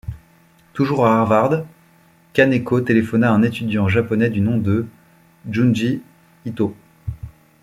Toujours à Harvard, Kaneko téléphona à un étudiant japonais du nom de Junji Itō.